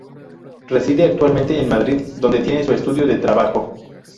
Reside actualmente en Madrid donde tiene su estudio de trabajo.